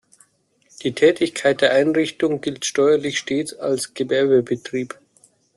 Die Tätigkeit der Einrichtung gilt steuerlich stets als Gewerbebetrieb.